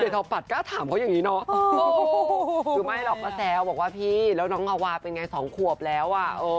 เฮ้ยเดี๋ยวพ่อปัดกล้าถามเขาอย่างนี้เนอะ